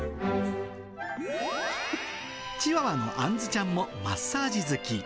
チワワのあんずちゃんもマッサージ好き。